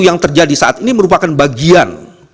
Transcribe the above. yang terjadi saat ini merupakan bagian